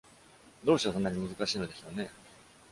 どうしてそんなに難しいのでしょうね？